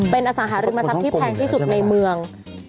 เป็นอสังหาริมทรัพย์ที่แพงที่สุดในเมือง